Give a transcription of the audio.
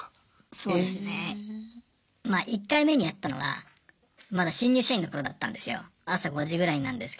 そうですねまあ１回目に遭ったのはまだ新入社員の頃だったんですよ。